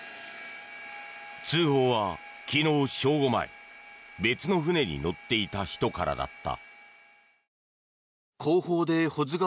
通報は昨日正午前別の船に乗っていた人からだった。